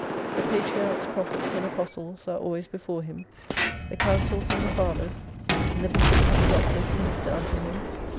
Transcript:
The patriarchs, prophets, and Apostles are always before Him. The councils and the fathers, the bishops and 37 the doctors minister unto him.